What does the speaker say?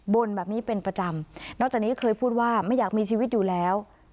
แบบนี้เป็นประจำนอกจากนี้เคยพูดว่าไม่อยากมีชีวิตอยู่แล้ว